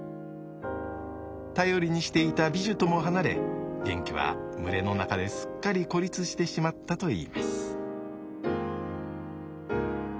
頼りにしていたビジュとも離れゲンキは群れの中ですっかり孤立してしまったといいます。